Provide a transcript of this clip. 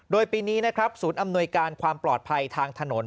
โดยปีนี้นะครับศูนย์อำนวยการความปลอดภัยทางถนน